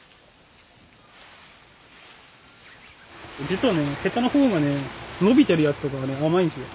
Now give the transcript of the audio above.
実はねヘタの方がね伸びてるやつとかはね甘いんすよ。